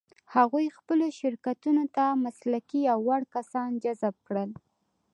هغوی خپلو شرکتونو ته مسلکي او وړ کسان جذب کړل.